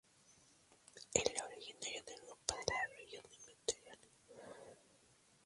Es originario de Europa de la región del Mediterráneo.